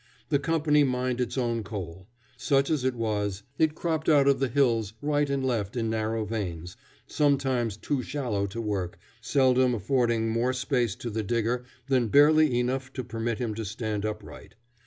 The company mined its own coal. Such as it was, it cropped out of the hills right and left in narrow veins, sometimes too shallow to work, seldom affording more space to the digger than barely enough to permit him to stand upright.